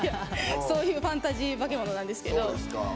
そういうファンタジー化け物なんですけど。